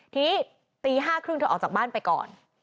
ทีนี้ตี๕๓๐เธอออกจากบ้านไปก่อน